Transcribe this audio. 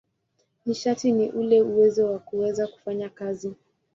Nishati ni ule uwezo wa kuweza kufanya kazi.